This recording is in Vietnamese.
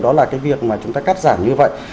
đó là cái việc mà chúng ta cắt giảm như vậy